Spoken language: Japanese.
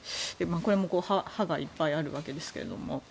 これも派がいっぱいあるわけですが。